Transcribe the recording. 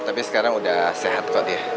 tapi sekarang udah sehat kok ya